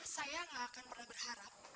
saya gak akan pernah berharap